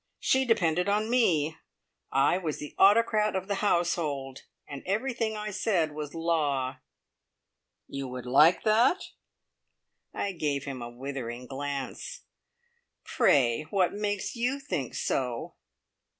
She depended on me. I was the Autocrat of the Household, and everything I said was law." "You would like that?" I gave him a withering glance. "Pray what makes you think so?"